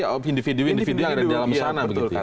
atau individu individu yang ada di dalam sana